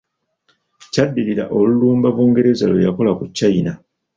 Kyaddirira olulumba Bungereza lwe yakola ku China.